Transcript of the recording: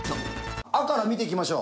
「あ」から見ていきましょう。